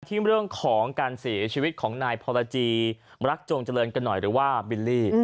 ที่เรื่องของการเสียชีวิตของนายพรจีรักจงเจริญกันหน่อยหรือว่าบิลลี่